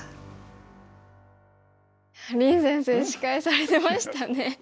林先生司会されてましたね。